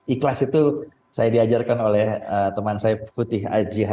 ikhlas itu saya diajarkan oleh teman saya putih aji yang saya lakukan